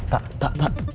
tak tak tak